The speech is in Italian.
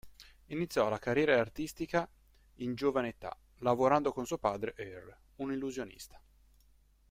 Iniziò la carriera artistica in giovane età, lavorando con suo padre Earl, un illusionista.